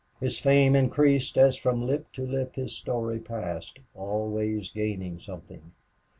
His fame increased as from lip to lip his story passed, always gaining something.